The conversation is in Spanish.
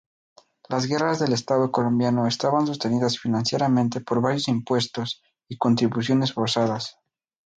Las guerras del Estado colombiano estaban sostenidas financieramente por varios impuestos y contribuciones forzosas.